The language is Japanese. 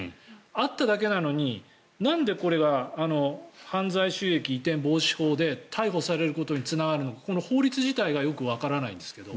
あっただけなのに、なんでこれが犯罪収益移転防止法で逮捕されることにつながるのかこの法律自体がよくわからないんですけど。